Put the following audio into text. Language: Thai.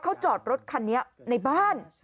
เขาจอดรถคันนี้ในบ้าน